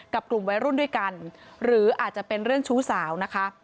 กลุ่มวัยรุ่นด้วยกันหรืออาจจะเป็นเรื่องชู้สาวนะคะ